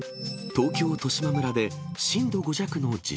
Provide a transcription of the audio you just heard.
東京・利島村で震度５弱の地